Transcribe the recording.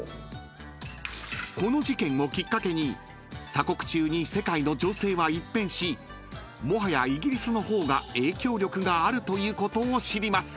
［この事件をきっかけに鎖国中に世界の情勢は一変しもはやイギリスの方が影響力があるということを知ります］